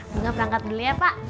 sangat beli ya pak